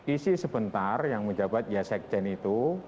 isi sebentar yang menjabat ya sekjen itu